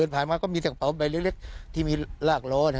ไปอย่างนี้ไม่มีครับ